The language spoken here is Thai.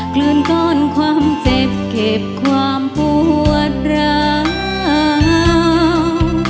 กลืนก้อนความเจ็บเก็บความปวดร้าว